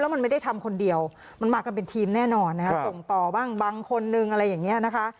มันไม่ได้ทำคนเดียวมันมากันเป็นทีมแน่นอนนะคะส่งต่อบ้างบางคนนึงอะไรอย่างนี้นะคะ